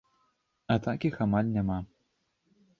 А так іх амаль няма.